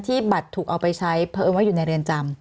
บัตรถูกเอาไปใช้เพราะเอิญว่าอยู่ในเรือนจำ